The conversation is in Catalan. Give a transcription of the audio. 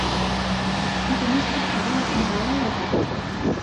Tothom es tractava de «camarada» i de «tu»